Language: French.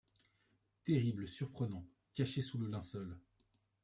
Terrible, surprenant, caché sous le linceul